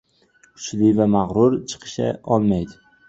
• Kuchli va mag‘rur chiqisha olmaydi.